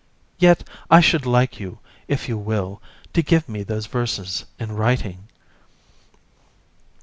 Yet, I should like you, if you will, to give me those verses in writing.